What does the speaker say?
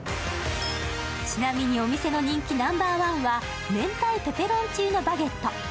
ちなみにお店の人気ナンバーワンは明太ペペロンチーノバゲット。